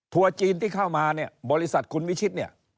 ทัวร์จีนที่เข้ามาบริษัทคุณวิชิต